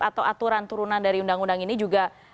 atau aturan turunan dari undang undang ini juga